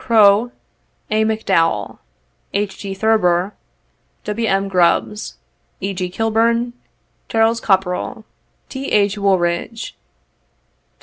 Crow, A. McDowell, H. G. Thurber, Wm. Grubbs, E. G. Kilbourne, Chas. Kopperl, T. H. Wooldridge, Thos.